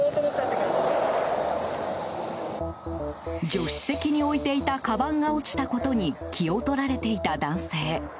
助手席に置いていたかばんが落ちたことに気を取られていた男性。